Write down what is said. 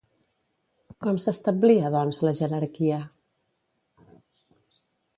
Com s'establia, doncs, la jerarquia?